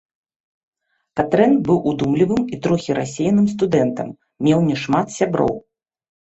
Катрэн быў удумлівым і троху рассеяным студэнтам, меў не шмат сяброў.